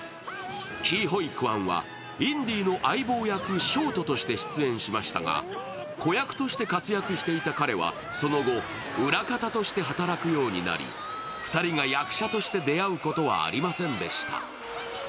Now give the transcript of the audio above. キー・ホイ・クァンはインディの相棒役、ショートとして出演しましたが子役として活躍した彼はその後、裏方として働くようになり２人が役者として出会うことはありませんでした。